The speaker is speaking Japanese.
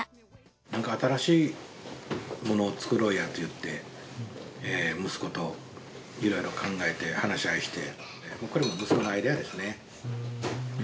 なんか新しいものを作ろうやって言って息子といろいろ考えて話し合いして息子のアイデアですね。